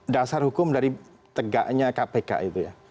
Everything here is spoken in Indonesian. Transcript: dasar hukum dari tegaknya kpk itu ya